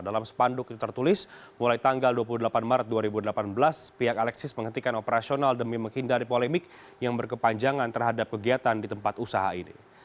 dalam sepanduk itu tertulis mulai tanggal dua puluh delapan maret dua ribu delapan belas pihak alexis menghentikan operasional demi menghindari polemik yang berkepanjangan terhadap kegiatan di tempat usaha ini